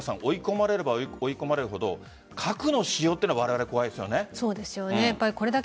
追い込まれれば追い込まれるほど核の使用は怖いですよね。